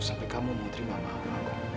sampai kamu mau terima maaf